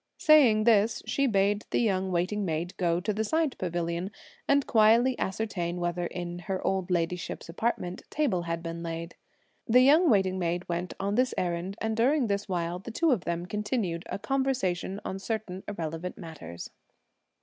Saying this, she bade the young waiting maid go to the side pavilion, and quietly ascertain whether, in her old ladyship's apartment, table had been laid. The young waiting maid went on this errand, and during this while, the two of them continued a conversation on certain irrelevant matters.